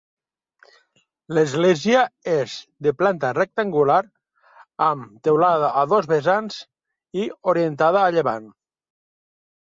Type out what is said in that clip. L'església és de planta rectangular amb teulada a dos vessants i orientada a llevant.